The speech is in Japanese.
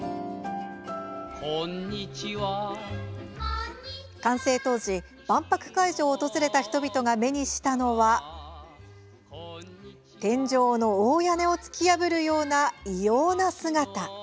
「こんにちは」完成当時、万博会場を訪れた人々が目にしたのは天井の大屋根を突き破るような異様な姿。